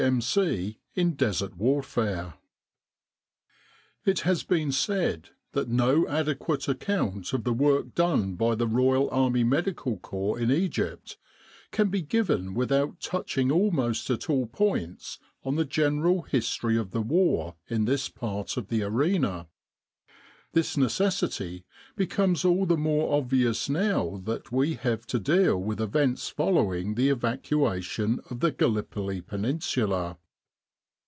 M.C. IN DESERT WARFARE IT has been said that no adequate account of the work done by the Royal Army Medical Corps in Egypt can be given without touching almost at all points on the general history of the War in this part of the arena. This necessity becomes all the more obvious now that we have to deal with events follow ing the evacuation of the Gallipoli Peninsula.